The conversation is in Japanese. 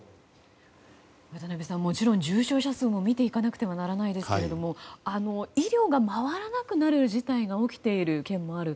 渡辺さん重症者数も見ていかなければならないですけれども医療が回らなくなる事態が起きている県もある。